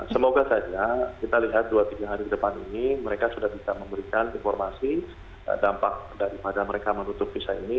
semoga saja kita lihat dua tiga hari ke depan ini mereka sudah bisa memberikan informasi dampak daripada mereka menutup visa ini